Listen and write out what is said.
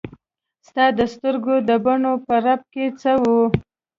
ستا د سترګو د بڼو په رپ کې څه وو.